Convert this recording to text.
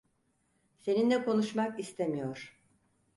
Seninle konuşmak istemiyor.